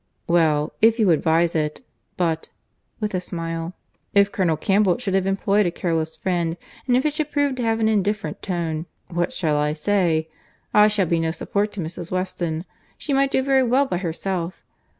"Well—if you advise it.—But (with a smile) if Colonel Campbell should have employed a careless friend, and if it should prove to have an indifferent tone—what shall I say? I shall be no support to Mrs. Weston. She might do very well by herself.